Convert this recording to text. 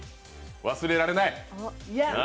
忘れられない？